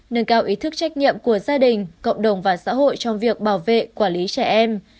nâng cao ý thức trách nhiệm của gia đình cộng đồng và xã hội trong việc bảo vệ quản lý trẻ em